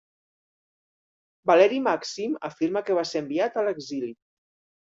Valeri Màxim afirma que va ser enviat a l'exili.